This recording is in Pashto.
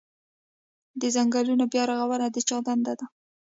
د ځنګلونو بیا رغونه د چا دنده ده؟